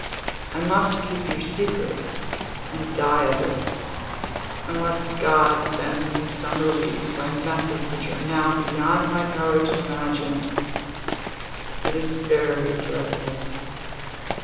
I must keep your secret, and die of it, unless God sends me some relief by methods which are now beyond my power to imagine. It is very dreadful.